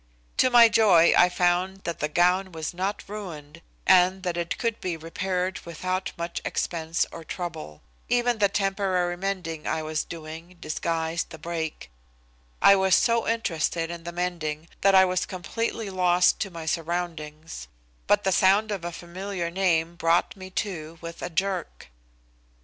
To my joy I found that the gown was not ruined, and that it could be repaired without much expense or trouble. Even the temporary mending I was doing disguised the break. I was so interested in the mending that I was completely lost to my surroundings, but the sound of a familiar name brought me to with a jerk.